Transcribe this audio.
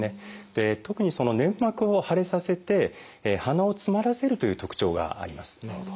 特に粘膜を腫れさせて鼻をつまらせるという特徴があります。